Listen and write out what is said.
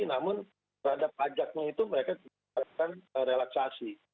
namun terhadap pajaknya itu mereka diberikan relaksasi